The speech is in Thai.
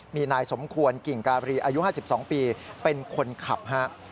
มีนายสมควรกิ่งการีอายุ๕๒ปีเป็นคนขับฮะ